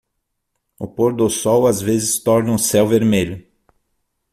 O pôr-do-sol às vezes torna o céu vermelho.